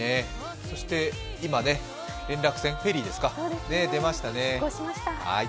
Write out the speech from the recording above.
そして今、連絡船、フェリーですか、出ましたね。